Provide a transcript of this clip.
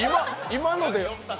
今ので？